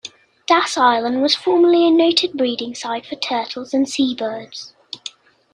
Das Island was formerly a noted breeding site for turtles and seabirds.